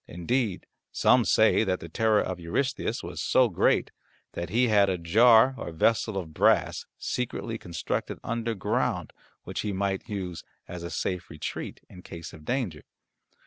Indeed some say that the terror of Eurystheus was so great that he had a jar or vessel of brass secretly constructed underground which he might use as a safe retreat in case of danger.